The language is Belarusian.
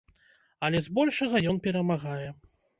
Але збольшага ён перамагае.